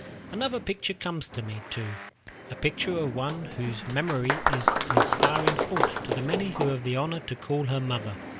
Another picture comes to me, too, a picture of one whose memory is an inspiring thought to the many who have the honor to call her "mother."